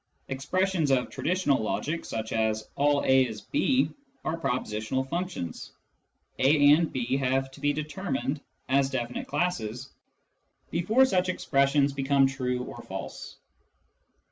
Expressions of traditional logic such as " all A is B " are pro positional functions : A and B have to be determined as definite classes before such expressions become true or false.